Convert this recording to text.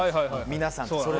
皆さんと。